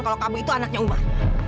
kalau kamu itu anaknya ubah